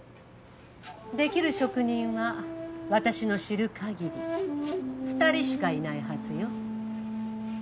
できる職人は私の知る限り２人しかいないはずよ。